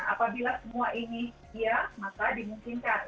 apabila semua ini iya maka dimungkinkan